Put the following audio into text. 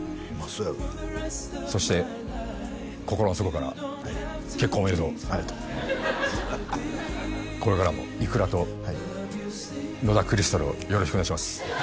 そうやろそして心の底から結婚おめでとうありがとうこれからもいくらと野田クリスタルをよろしくお願いします